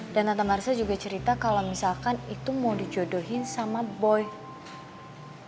dan tante marissa juga cerita kalau misalkan itu mau dijodohin sama boy